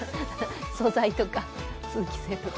素材とか、通気性とか？